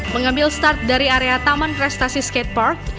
mengambil start dari area taman prestasi skatepark